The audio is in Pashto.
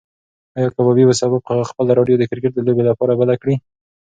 ایا کبابي به سبا بیا خپله راډیو د کرکټ د لوبې لپاره بله کړي؟